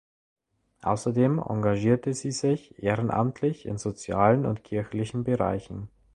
Außerdem engagierte sie sich ehrenamtlich in sozialen und kirchlichen Bereichen.